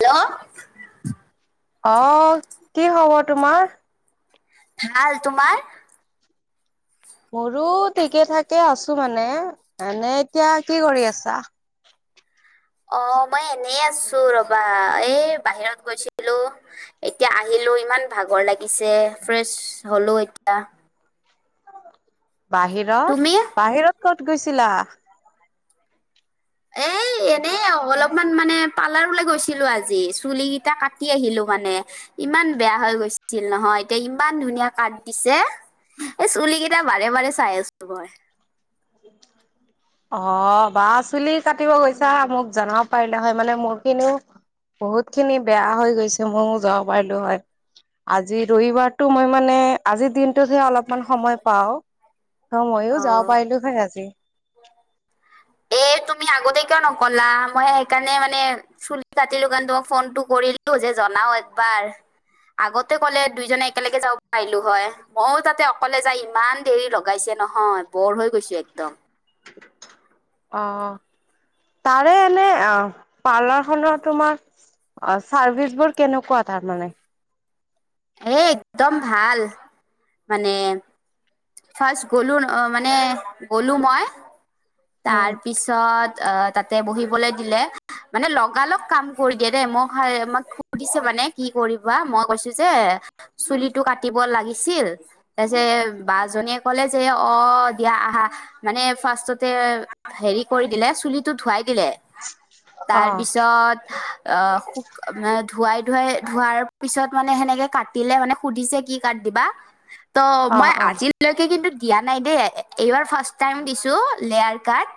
Hello অ কি খবৰ তোমাৰ? ভাল। তোমাৰ? মোৰো ঠিকে থাকে আছোঁ মানে, এনে এতিয়া কি কৰি আছা? অ মই এনে আছোঁ ৰবা, এই বাহিৰত গৈছিলোঁ এতিয়া আহিলোঁ। লো ইমান ভাগৰ লাগিছে, ফ্ৰেছ হ'লো এতিয়া। বাহিৰত, তুমি? বাহিৰত ক'ত গৈছিলা? এ। এনেই অলপমান মানে পাৰ্লাৰলৈ গৈছিলোঁ আজি, চুলি কেইটা কাটি আহিলোঁ মানে। ইমান বেয়া হৈ গৈছিল নহয়, এতিয়া ইমান ধুনীয়া কাট দিছে। এই চুলি কেইটা বাৰে বাৰে চাই আছোঁ মই। অ বা চুলি কাটিব গৈছা মোক জনাব পাৰিলে হয় মানে মোৰ খিনিও বহুত খিনি বেয়া হৈ গৈছে ময়ও যাব পাৰিলো হয়। আজি ৰবিবাৰতটো মই মানে আজিৰ দিনটোতহে অলপমান সময় পাওঁ। স ময়ো যাব অ'। পাৰিলো হয় [inaudible] এ তুমি আগতে কিয় নকলা? মই সেইকাৰণে মানে চুলি কাতিলো কাৰণে তোমাক ফোনটো কৰিলোঁ। যে জনাওঁ একবাৰ। আগতে ক'লে দুইজনে একেলগে যাব পাৰিলো হয়। ময়ো তাতে অকলে যাই ইমান দেৰি লগাইছে। নহয় বৰ হৈ গৈছোঁ একদম। অ তাৰে এনে অ পাৰ্লাৰ খনৰ তোমাৰ অ চাৰ্ভিচ বোৰ কেনেকুৱা তাৰমানে? এ একদম ভাল, মানে ফাৰ্ষ্ট গ'লো মানে গ'লো মই উম, তাৰপিছত আহ তাতে বহিবলে দিলে। মানে লগালগ কাম কৰি দিয়ে দেই মই মই সুধিছো মানে কি কৰিবা মই কৈছোঁ যে চুলিটো কাটিব লাগিছিল তা বা জনীয়ে ক'লে যে অ দিয়া আহা মানে ফাৰ্ষ্টতে হেৰি কৰি দিলে চুলিটো ধোৱাই দিলে অ'। তাৰপিছত অ শু ধুৱাই ধুৱাই ধোৱাৰ পিছত মানে সেনেকে কাটিলে মানে সুধিছে কি কাট দিবা ত অ মই অ আজিলৈকে কিন্তু দিয়া নাই দেই এইবাৰ ফাৰ্ষ্ট টাইম দিছো লেয়াৰ কাট।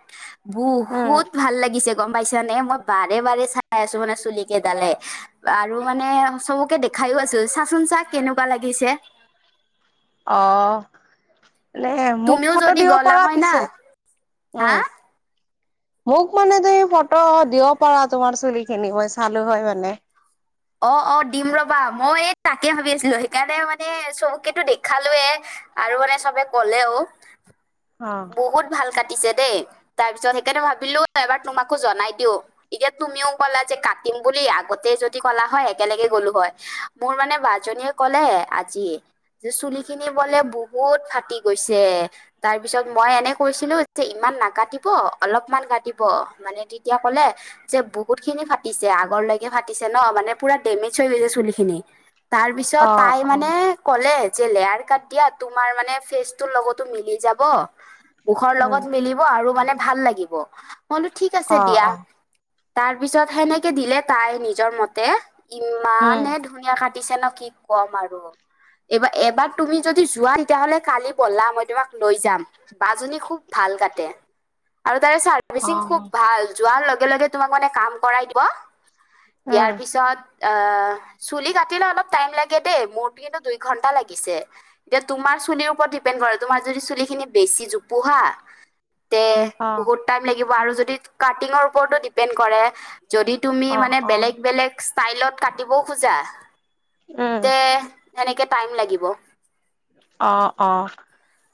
উম বহুত ভাল লাগিছে। গম পাইছা নে? মই বাৰে বাৰে চাই আছো মানে চুলি কেইডালে, আৰু মানে চবকে দেখা খাইয়ো আছো চাচোন চা কেনেকুৱা লাগিছে? অ। এ মোক তুমিও ফটো যদি দিব গলা পৰা হয় না পিছে, হা উম মোক মানে তুমি ফটো দিব পাৰা, তোমাৰ চুলি খিনি মই চালো হয় মানে। অ অ দিম ৰবা, মই তাকে ভাবি আছিলো সেইকাৰণে মানে চবকেতো দেখালোয়ে আৰু মানে চবে কলেও অ বহুত ভাল তাত। কাটিছে দেই তাৰপিছত সেইকাৰণে ভাবিলো এবাৰ তোমাকো জনাই দিওঁ। এতিয়া তুমিও ক'লা যে কাটি বুলি। আগতেই যদি কলা হয় একেলগে গলো হয়। মোৰ মানে বাজনিয়ে ক'লে আজি। যে চুলি খিনি বলে বহুত ফাটি গৈছে, তাৰ তাৰ পিছত মই এনে কৈছিলো, যে ইমান নাকাটিব অলপমান কাটিব মানে তেতিয়া ক'লে, যে বহুত খিনি ফাটিছে, আগলৈকে ফাটিছে ন মানে পুৰা ডেমেজ হৈ গৈছে চুলি খিনি। তাৰ পিছত অ তাই অ মানে কলে, যে লেয়াৰ কাট দিয়া, তোমাৰ মানে ফেচ তোৰ লগতো মিলি যাব। মুখৰ উম লগত মিলিব আৰু মানে ভাল লাগিব। মই কলো ঠিক আছে অ দিয়া। অ তাৰ পিছত সেনেকে দিলে তাই নিজৰ মতে, উম ইমানে ধুনীয়া কাটি- কাতিছে ন কি ক'ম আৰু। এবাৰ এবাৰ তুমি যদি যোৱা তেতিয়াহলে কালি বলা, মই তোমাক লৈ যাম। বা জনি খুব ভাল কাটে। আৰু অ চাৰ্ভিচিং খুব ভাল। যোৱাৰ লগে লগে তোমাক মানে কাম কৰাই দিব। দিয়াৰ উম পিছত অ, চুলি কাটিলে অলপ টাইম লাগে দেই, মোৰতো কিন্তু দুই ঘন্টা লাগিছে। এতিয়া তোমাৰ চুলিৰ ওপৰত, দিপেণ্ড কৰে। তোমাৰ যদি চুলিখিনি বেছি জোপোহা তে অ বহুত টাইম লাগিব। আৰু যদি কাতিঙৰ ওপৰতো ডিপেণ্ড কৰে, যদি তুমি অ মানে অ বেলেগ বেলেগে - ষ্টাইলত কাটিবও খোজা, উম তে এনেক টাইম লাগিব। অ অ।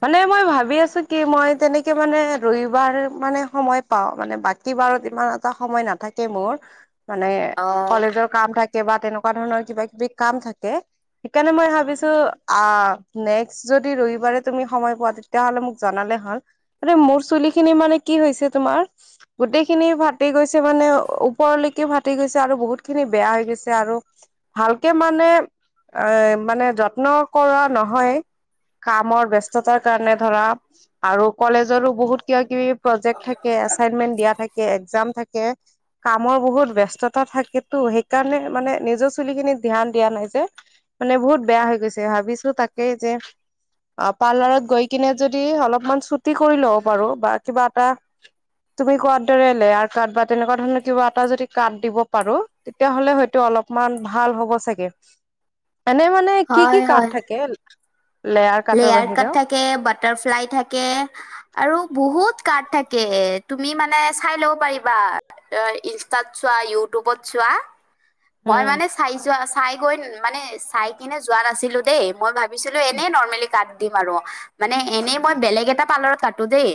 মানে মই ভাবি আছো কি মই তেনেকে মানে ৰবিবাৰ মানে সময় পাও। মানে বাকী বাৰত ইমান এটা সময় নাথাকে মোৰ। মানে কলেজৰ কাম থাকে বা তেনেকুৱা ধৰণৰ কিবা কিবি কাম থাকে। সেইকাৰণে মই ভাবিছো অ, নেক্স যদি ৰবিবাৰে তুমি সময় পোৱা, তেতিয়া হলে মোক জনালে হল। ম মোৰ চুলি খিনি মানে কি, কি হৈছে তোমাৰ গোটেই খিনি ফাটি গৈছে মানে, ওপৰলৈকে ফাটি গৈছে আৰু বহুত খিনি বেয়া হৈ গৈছে আৰু ভালকে মানে এ মানে যত্ন কৰা - নহয়। কামৰ ব্যস্ততাৰ কাৰণে ধৰা আৰু কলেজৰো বহুত কিবা কিবি, প্ৰজেক্ট থাকে, এচাইনমেন্ট দিয়া থাকে, এক্সজাম থাকে। কামৰ বহুত ব্যস্ততা থাকেতো। সেইকাৰণে মানে নিজৰ চুলি খিনিক ধ্যান দিয়া নহয় যে। মানে বহুত বেয়া হৈ গৈছে। ভাবিছো তাকে যে, অ পাৰ্লাৰত গৈ কিনে যদি অলপমান ছুটি কৰি ল'ব পাৰো বা কিবা এটা, তুমি কোৱাৰ দৰে লেয়াৰ কাৰ্ড বা তেনেকুৱা ধৰণৰ কিবা এটা যদি কাৰ্ড দিব পাৰো, তেতিয়া হলে হয় টো অলপমান ভাল হ'ব চাগে। [inaudible] এনে মানে কি কি হয় কাট হয় থাকে? কাটৰ লেয়াৰ কাট বাহিৰেও থাকে, বাটাৰফ্লাই থাকে আৰু বহুত, কাট থাকে, তুমি মানে চাই ল'ব পাৰিবা, অ ইনষ্টাত চোৱা, ইউটিউবত চোৱা। বা [unintelligible] মই উম মানে চাই যোৱা চাই গৈ মানে চাই কিনে যোৱা নাছিলো দেই মই ভাবি - ভাবিছিলো এনেই নৰ্মেলি কাট দিম আৰু মানে এনেই মই বেলেগ এটা পাৰ্ত কাটো দেই।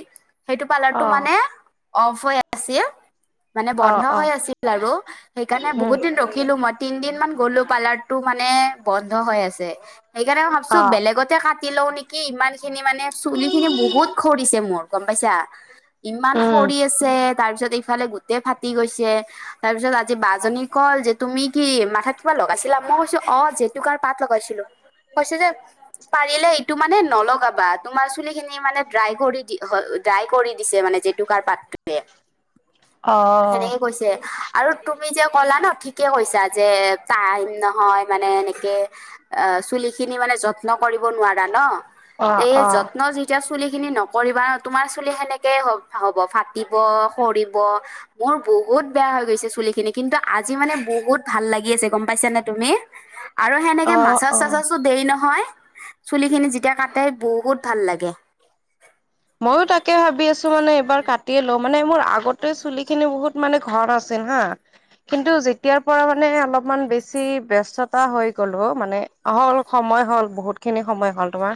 সেইটো পালাৰটো অ মানে অফ হৈ আছিল। মানে অ', বন্ধ হৈ অ', আছিল আৰু সেইকাৰণে উম, বহুত দিন ৰখিলো মই তিন দিন মান- গ'লো, পাৰ্লাৰতটো মানে বন্ধ হৈ আছে। সেইকাৰণে মই ভাবছো বেলেগত কাটি লও নেকি ইমান খিনি মানে চুলি খিনি বহুত খৰিছে মোৰ গম পাইছা। ইমান উম, সৰি আছে। তাৰ পিছত ইফালে গোট ফাটি গৈছে, তাৰ পিছত আজি বাজী কল যে তুমি কি মাথাত ক- লগাইছিলা। মই কৈছো অ জেতুকাৰ পাত লগাইছিলো কৈছে যে, পাৰিলে এইটো মানে নলগাবা। তোমাৰ চুলি খিনি মানে ড্ৰাই কৰি ড্ৰাই কৰি দিছে মানে। যেতু কাৰ পাতে অ', সেনেকে কৈছে। আৰু তুমি যে ক'লা ন ঠিকে কৈছা যে টাইম নহয় মানে এনেকে, চুলি খিনি মানে যত্ন কৰিব নোৱাৰা ন। এইয়ে অ'। যত্ন - খিনি নকৰিবা। তোমাৰ চুলি সেনেকে হ'ব ফাতিব, সৰিব মোৰ- বহুত বেয়া হৈ গৈছে চুলি খিনি। কিন্তু আজি মানে বহুত ভাল লাগি আছে গম পাইছানে তুমি। আৰু সেনেকে অ', অ'। মাছাজ-চাছাজো দিয়ে নহয়। চুলি খিনি যেতিয়া কাটাই বহুত ভাল লাগে। ময়ো তাকে ভাবি আছো মানে এইবাৰ কাটিয়ে লওঁ। মানে মোৰ আগত আগতে চুলি খিনি বহুত মানে ঘন আছিল হা। কিন্তু যেতিয়াৰ পৰা মানে অলপমান বেছি ব ব্যস্ততা হৈ গ'লো, মানে হ'ল সময় হ'ল বহুত খিনি সময় হ'ল তোমাৰ।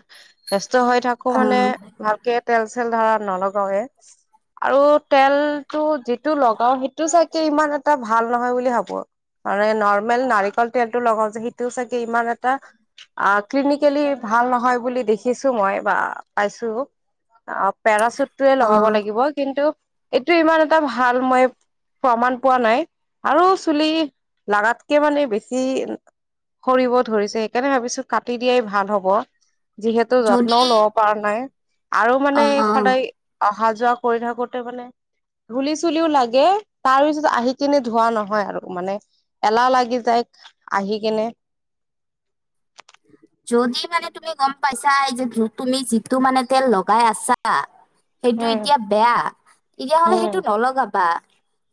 সুস্থ হৈ থাকো মানে ভালকে তেল চেল ধৰা নলগাওৱে। আৰু তেলটো যিটো লগাও সেইটো চাগে ইমান এটা ভাল নহয় বুলি ভাবো। মান নৰ্মেল নাৰিকল তেলটো লগাও যে সেইটোও চাগে ইমান এটা ক্লিনিকেলি ভাল নহয় বুলি দেখিছো, মই বা পাইছো। অ' পেৰাশুটটয়ে অ লগাব লাগিব কিন্তু এইটো ইমান এটা ভাল মই প্ৰমাণ পোৱা নাই আৰু চুলি লগাগাতকে মানে বেছি সৰিব ধৰিছে সেইকাৰণে ভাবিছো কাটি দিয়াই ভাল হব। যিহেতু যদি যত্নও লব পৰা নাই। আৰু মানে অ অ সদায় অহা যোৱা কৰি থাকোতে মানে ধুলি-চুলিও লাগে তাৰ পিছত আহি কিনে ধোৱা নহয় আৰু মানে। এলাহ লাগি যায় আহি কেনে [inaudible] যদি মানে তুমি গম পাইছা এই যে তুমি যিটো মানে তেল লগাই আছা সেইটো উম এতিয়া বেয়া তেতিয়াহলে উম সেইটো নলগাবা।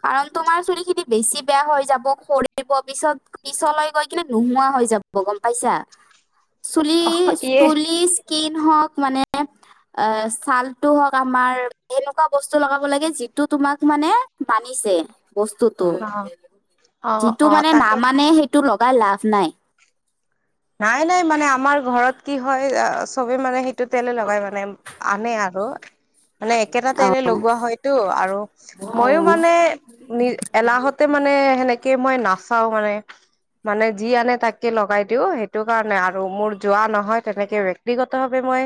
কাৰণ তোমাৰ চুলি খিনি বেছি বেয়া হৈ যাব। খৰিব, পিছত পিছলৈ গৈ কিনে নোহোৱা হৈ যাব গম পাইছা। চুলি, অ ইয়ে চুলি কিন হওক মানে এ, ছালতটো হওক আমাৰ এনেকুৱা বস্তু লগাব লাগে যিটো তোমাক মানে বানি ছে। বস্তুতটো অ অ যিটো অ মানে, তাকে নামানে সেইটো লগাই লাভ নাই। নাই, নাই মানে আমাৰ ঘৰত কি হয়? চবে মানে সেইটো তেলে লগাই মানে, আনে আৰু। মানে একেটা অ তেলে লগোৱা হয়তটো আৰু অ মইও মানে এলাহতে মানে সেনেকে তে মই নাচাও মানে, মানে যি আনে তাকে লগাই দিও। সেই সেইটো কাৰণে আৰু মোৰ যোৱা নহয় তেনেকে। ব্যাক্তিগত ভাৱে মই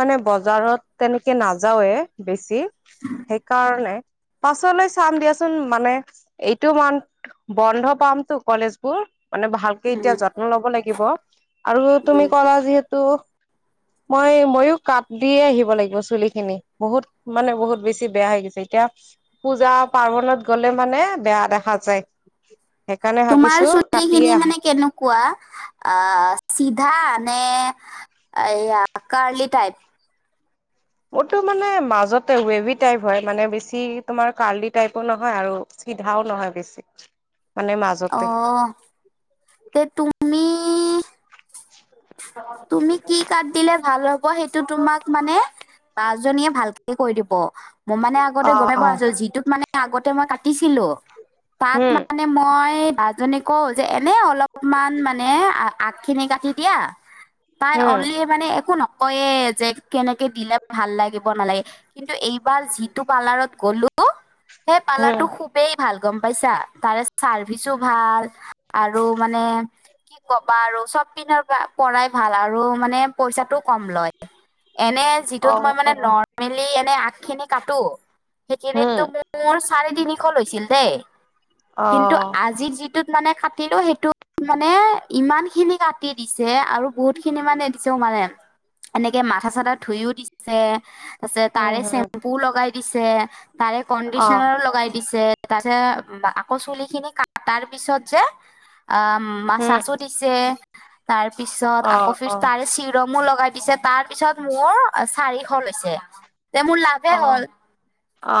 মানে বজাৰত তেনেকে নাযাওৱে বেছি। সেইকাৰণে, পাছলৈ চাম দিয়াচোন মানে এইটো মান বন্ধ পামতো কলেজবোৰ। মানে ভালকে এতিয়া উম যত্ন লব লাগিব আৰু তুমি উম কলা যিহেতু [inaudible] মই ময়ো কাঠ দিয়ে আহিব লাগিব চুলি খিনি বহুত মানে বহুত বেছি বেয়া হৈ গৈছে। এতিয়া, পূজা-পাৰ্বনত গলে মানে বেয়া দেখা যায়। সেইকাৰণে তোমাৰ ভাবিছো চুলি কাটিয়ে খিনি আহা মানে কেনেকুৱা? আ, চিধা নে এয়া কাৰলি টাইপ? মোৰটো মানে মাজতে ৱেভি টাইপ হয়। মানে, বেছি তোমাৰ কাৰ্লি টাইপো নহয় আৰু সিধাও নহয় বেছি। মানে মাজতে অহ তে তুমি তুমি কি কাট দিলে ভাল হ ব সেইটো তোমাক মানে বাজনীয়ে ভালকে কৈ দিব। মই মানে আগতে অ গম অ পোৱা নাছিলোঁ। যিটোত মানে আগতে মই কাটিছিলো তাত হম মানে মই বা জনীক কও যে, এনে অলপমান মানে আ আগ খিনি কাটি দিয়া। তাই হম অনলি মানে একো ন কয়ে যে কেনেকে দিলে ভাল লাগিব নালাগে। কিন্তু, এইবাৰ যিটো পাৰ্লাৰত গ'লো সেই হম পালাৰটো খুবেই ভাল, গম পাইছা? তাৰে চাৰ্ভিচো ভাল আৰু মানে কি ক'বা আৰু চ'ব পিনৰ পৰা পৰাই ভাল আৰু মানে পইচাটো কম লয়। এনে যিটো তোমাৰ মানে নৰ্মেলি এ' আগখিনি কাটো, হুম, সেইখিনিতটো মোৰ চাৰি তিনিশ লৈছিল দেই। কিন্তু অ', আজিৰ যি টোত মানে কাটিলো সেইটো মানে ইমান খিনি কাটি দিছে আৰু বহুত খিনি মানে দিছেও মানে। এনেকে মাথা চাথা ধুইও দিছে। হুম, তাৰে হুম, চেম্পু লগাই দিছে। তাৰে অ', কণ্ডিচনাৰো লগাই দিছে। তাৰপিছত চুলি খিনি কটাৰ পিছত যে আ হুম, মাচাছো দিছে। তাৰ পিছ আকৌ অ', ফ্ৰীৰ্ছ অ', তাৰে চিৰামো লগাই দিছে, তাৰ পিছত মোৰ চাৰিশ লৈছে। তেন্তে মোৰ লাভে হ'ল। অ',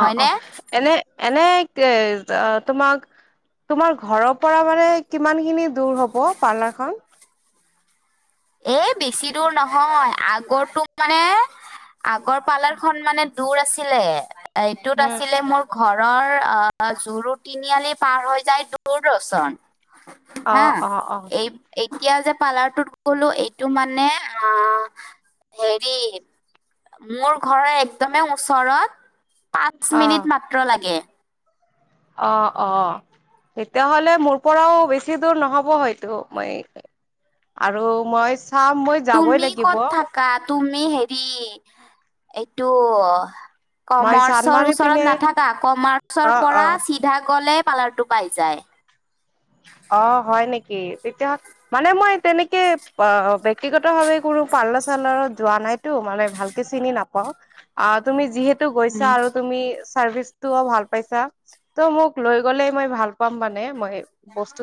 হয়নে? এনেই এ তোমাক তোমাৰ ঘৰৰ পৰা মানে কিমান খিনি দূৰ হব পাৰ্লাৰ খন? এ বেছি দূৰ নহয়। আগৰতো মানে আগৰ পাৰ্লাৰ খন মানে দূৰ আছিলে। এইটোত হুম, আছিলে মোৰ ঘৰৰ আঁহ জুৰু তিনিআলি পাৰ হৈ যাই দূৰদৰচন। অ', হাঁ। অ', অ', এই এতিয়া যে পাৰ্লাৰ টো কলো এইটো মানে আঁ হেৰি মোৰ ঘৰৰ একদমেই ওচৰত। পাঁচ মিনিট মাত্ৰ লাগে। অ-অ। তেতিয়া হলে মোৰ পৰাও বেছি দূৰ নহ'ব হয়তো। মই আৰু মই চাম, মই যাবই লাগিব। আমি হেৰি এইটো মই কমাৰ্চৰ চান্দমাৰি ওচৰত পিনে নাথাকা? কমাৰ্চৰ অ', পৰা অ'। চিধা গ'লে পাৰ্লাৰটো পাই যায়। অ, হয় নেকি? তেতিয়া হ মানে মই তেনেকে অ ব্যক্তিগত ভাৱে কোনো পাৰ্লাৰ চালাৰত যোৱা নাই টো। মানে ভালকে চিনি নেপাওঁ। আঁহ তুমি যিহেতু গৈছা আৰু তুমি চাৰ্ভিছটোও ভাল পাইছা। ত' মোক লৈ গ'লে মই ভাল পাম মানে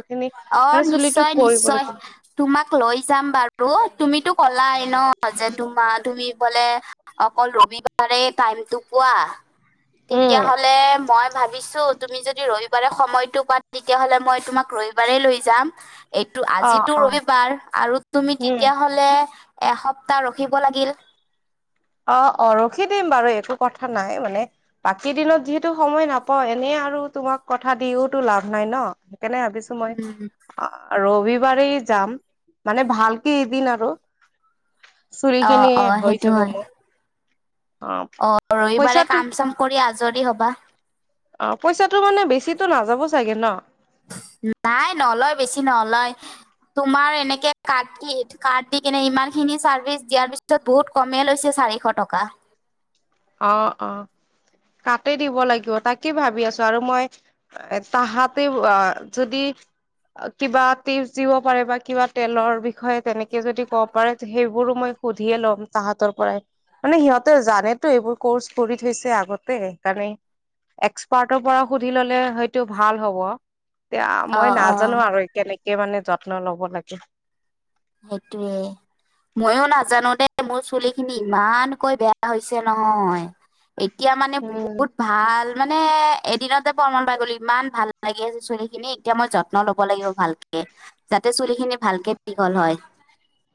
খিনি অঁ মানে চুলিটো নিশ্চয়, কৰিব নিশ্চয়। লাগিব তোমাক লৈ যাম বাৰু। তুমিতো কলাই ন' যে তোমাৰ তুমি বোলে অকল ৰবিবাৰে টাইমটো পোৱা। তেতিয়া উম হ'লে মই ভাবিছো তুমি যদি ৰবিবাৰে সময়তটো পোৱা তেতিয়া হ'লে মই তোমাক ৰবিবাৰে লৈ যাম। বা এইটো অ আজিতো অ ৰবিবাৰ আৰু তুমি উম তেতিয়া হ'লে এসপ্তাহ ৰখিব লাগিল। অঁ অ ৰখি দিম বাৰু একো কথা নাই মানে বাকী দিনত যিহেতু সময় নাপাওঁ এনেই। আৰু তোমাক কথা দিওতো লাভ নাই ন'। সেইকাৰণে ভাবিছো উম মই- ৰবিবাৰেই যাম মানে ভালকে এদিন আৰু। চুলি অ খিনি অ হৈ যাব মোৰ। অ অঁ ৰবিবাৰে পইচাটো কাম-চাম কৰি আজৰি হবা। ট পইচাটো মানে বেছি নাযাব চাগে ন'? নাই নলয় বেছি নলয়। তোমাৰ এনেকে কি কাট দি সেইটো কাট কিনি ইমান খিনি চাৰ্ভিচ দিয়াৰ পিছত বহুত কমে লৈছে। চাৰিশ টকা। অঁ অঁ কাটি দিব লাগিব তাকে ভাবি আছো। আৰু মই তাহাতে যদি- কিবা টিপছ দিব পাৰে বা কিবা তেলৰ - বিষয়ে তেনেকে যদি ক'ব পাৰে সেইবোৰো মই কৰিম। সুধিয়ে ল'ম তাহাঁতৰ পৰাই, মানে সিহঁতে জানে টো এইবোৰ ক'ৰ্চ কৰি থৈছে আগতে সেইকাৰণে এক্সপাৰ্টৰ পৰা সুধি ল'লে হয় টো ভাল হ'ব, এয়া অ মই অ নাজানো আৰু কেনেকে কে মানে যত্ন লব লাগে। সেইটোৱে। মইয়ো নাজানো দেই মোৰ চুলি খিনি ইমানকৈ বেয়া হৈছে নহয়। এতিয়া মানে উম বহুত ভাল মানে এদিনতে প্ৰমান পাই গলো ইমান ভাল লাগিল চুলি খিনি এতিয়া মই যত্ন ল'ব লাগিব ভালকে। যাতে চুলিখিনি ভালকে দীঘল হয়।